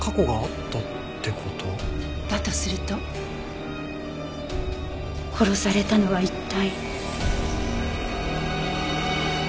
だとすると殺されたのは一体。